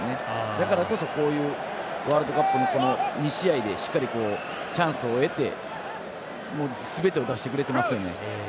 だからこそ、こういうワールドカップの２試合でしっかりチャンスを得てすべてを出してくれてますよね。